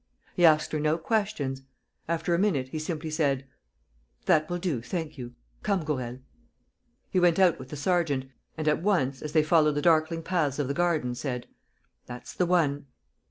He asked her no questions. After a minute, he simply said: "That will do, thank you. Come, Gourel." He went out with the sergeant and, at once, as they followed the darkling paths of the garden, said: "That's the one!"